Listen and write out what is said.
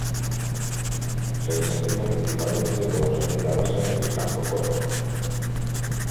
Se desempeña principalmente como segunda base y campocorto.